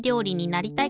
なりたい！